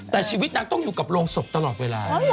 แต่ชีวิตนางต้องอยู่กับโรงศพตลอดเวลา